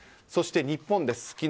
そして日本です。